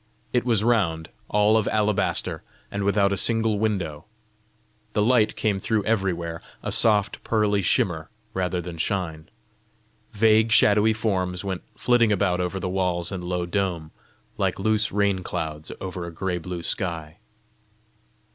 It was round, all of alabaster, and without a single window: the light came through everywhere, a soft, pearly shimmer rather than shine. Vague shadowy forms went flitting about over the walls and low dome, like loose rain clouds over a grey blue sky.